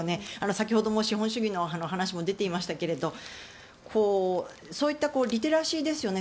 先ほど資本主義の話も出ていましたがそういったリテラシーですよね。